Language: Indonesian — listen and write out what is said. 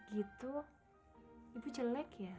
jepit cantik ya